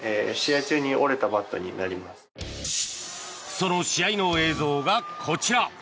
その試合の映像がこちら。